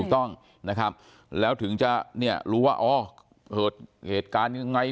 ถูกต้องนะครับแล้วถึงจะเนี่ยรู้ว่าอ๋อเกิดเหตุการณ์ยังไง